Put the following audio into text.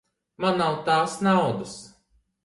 Man nav tās naudas.